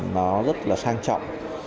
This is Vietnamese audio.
nó rất là sang trọng